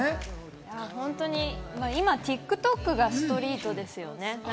本当に今、ＴｉｋＴｏｋがストリートですね。